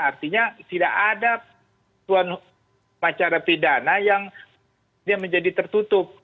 artinya tidak ada tuan macara pidana yang menjadi tertutup